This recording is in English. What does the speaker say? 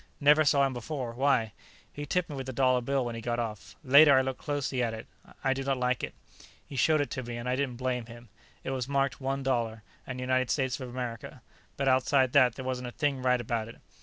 "Never saw him before. Why?" "He tipped me with a dollar bill when he got off. Later, I looked closely at it. I do not like it." He showed it to me, and I didn't blame him. It was marked One Dollar, and United States of America, but outside that there wasn't a thing right about it.